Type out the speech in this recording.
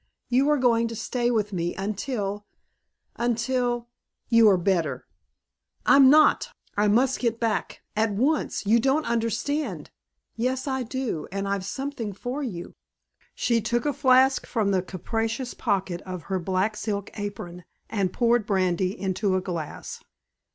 "You are going to stay with me until until you are better." "I'll not. I must get back. At once! You don't understand " "Yes, I do. And I've something for you." She took a flask from the capacious pocket of her black silk apron and poured brandy into a glass.